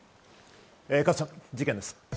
加藤さん、事件です。